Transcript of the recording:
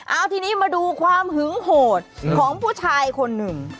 เอาทีนี้มาดูความหึงโหดของผู้ชายคนหนึ่ง